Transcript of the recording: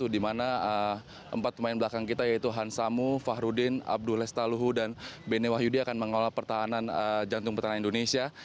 dimana empat pemain belakang kita yaitu hans samu fahrudin abdul lestaluhu dan bene wahyudi akan mengawal pertahanan jantung pertahanan indonesia